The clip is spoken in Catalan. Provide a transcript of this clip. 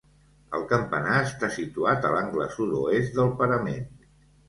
El campanar està situat a l'angle sud-oest del parament.